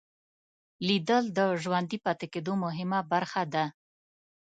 لیدل د ژوندي پاتې کېدو مهمه برخه ده